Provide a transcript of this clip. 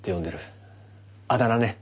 あだ名ね。